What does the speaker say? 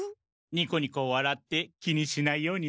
ニコニコわらって気にしないようにするんです。